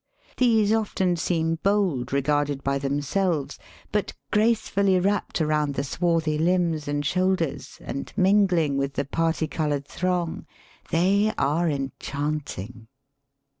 These often seem bold regarded by them selves; but gracefully wrapped around the swarthy limbs and shoulders, and, mingling with the parti coloured throng, they are enchanting.